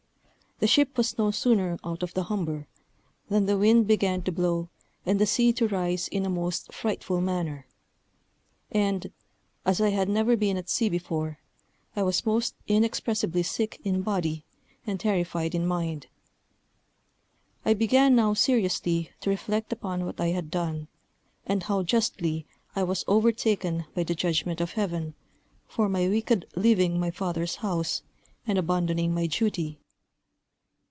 The ship was no sooner out of the Humber, than the wind began to blow and the sea to rise in a most frightful manner; and, as I had never been at sea before, I was most inexpressibly sick in body, and terrified in mind. I began now seriously to reflect upon what I had done, and how justly I was overtaken by the judgment of Heaven, for my wicked leaving my father's house, and abandoning my duty.